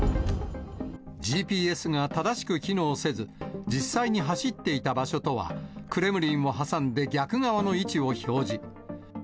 ＧＰＳが正しく機能せず、実際に走っていた場所とはクレムリンを挟んで逆側の位置を表示。